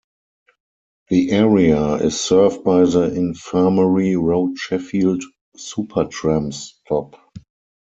The area is served by the Infirmary Road Sheffield Supertram stop.